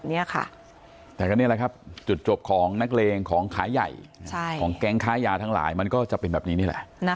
ในพื้นที่ส